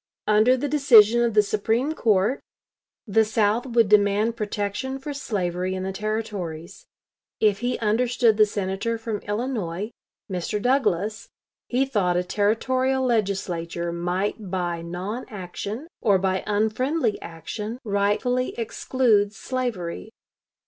Under the decision of the Supreme Court the South would demand protection for slavery in the Territories. If he understood the Senator from Illinois, Mr. Douglas, he thought a Territorial Legislature might by non action or by unfriendly action rightfully exclude slavery.